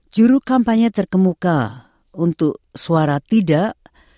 juru kampanye terkemuka untuk suara tidak